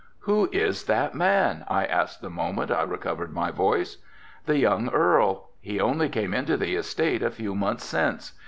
"Who is that man?" I asked the moment I recovered my voice. "The young Earl. He only came into the estate a few months since.